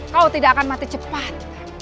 kau tidak akan mati cepat